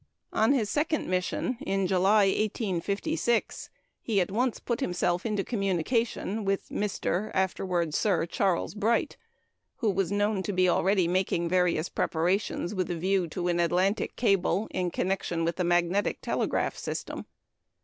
On his second mission (in July, 1856) he at once put himself into communication with Mr. (afterward Sir Charles) Bright, who was known to be already making various preparations with a view to an Atlantic cable in connection with the Magnetic Telegraph system.